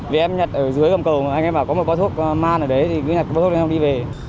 vì em nhặt ở dưới cầm cầu anh em bảo có một báo thuốc man ở đấy thì cứ nhặt cái báo thuốc này không đi về